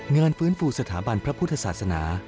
เงินฟื้นฟูสถาบันพระพุทธศาสนา